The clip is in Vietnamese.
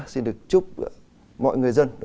xin được chúc mọi người dân